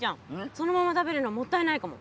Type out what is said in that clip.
そのまま食べるのもったいないかも。